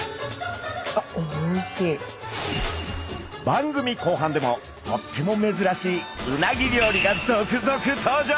番組後半でもとってもめずらしいうなぎ料理が続々登場！